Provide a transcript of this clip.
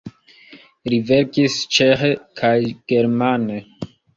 Li verkis ĉeĥe kaj germane.